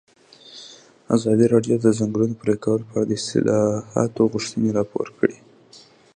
ازادي راډیو د د ځنګلونو پرېکول په اړه د اصلاحاتو غوښتنې راپور کړې.